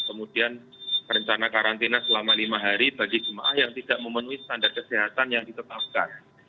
kemudian rencana karantina selama lima hari bagi jemaah yang tidak memenuhi standar kesehatan yang ditetapkan